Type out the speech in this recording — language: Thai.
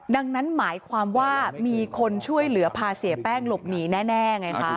ดังนั้นหมายความว่ามีคนช่วยเหลือพาเสียแป้งหลบหนีแน่ไงคะ